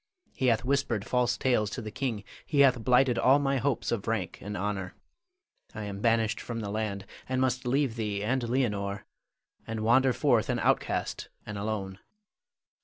He hath whispered false tales to the king, he hath blighted all my hopes of rank and honor. I am banished from the land, and must leave thee and Leonore, and wander forth an outcast and alone.